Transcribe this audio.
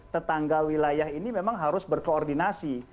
tetangga wilayah ini memang harus berkoordinasi